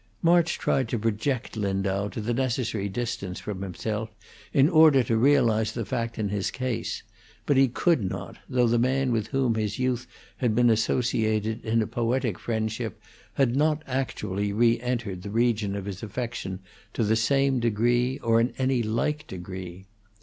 March tried to project Lindau to the necessary distance from himself in order to realize the fact in his case, but he could not, though the man with whom his youth had been associated in a poetic friendship had not actually reentered the region of his affection to the same degree, or in any like degree.